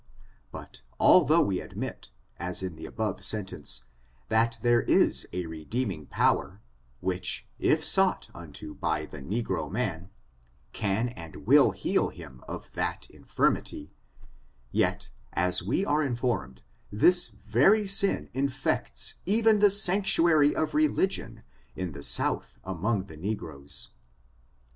But although we admit, as in the above sentence, that there is a redeeming power, which, if sought unto by the negro man, can and will heal him of that in firmity ; yet, as we are informed, this very sin infects even the sanctuary of religion in the south among the negroes.